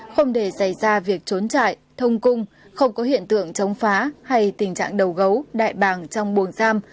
không để xảy ra việc trốn chạy thông cung không có hiện tượng chống phá hay tình trạng đầu gấu đại bàng trong buồng giam